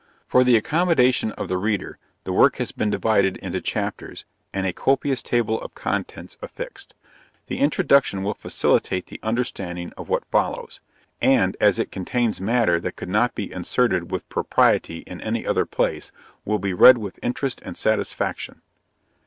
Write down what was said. For the accommodation of the reader, the work has been divided into chapters, and a copious table of contents affixed. The introduction will facilitate the understanding of what follows; and as it contains matter that could not be inserted with propriety in any other place, will be read with interest and satisfaction.